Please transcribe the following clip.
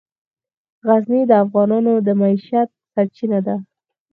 غزني د افغانانو د معیشت سرچینه ده.